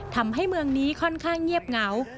ทำให้เมืองนี้ค่อนข้างเงียบเหงา